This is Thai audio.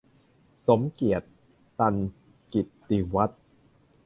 สมเกียรติ ตันกิตติวัฒน์